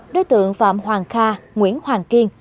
đối tượng phạm hoàng kha nguyễn hoàng kiên